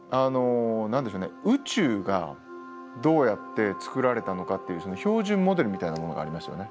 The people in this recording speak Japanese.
宇宙がどうやってつくられたのかっていう標準モデルみたいなものがありますよね。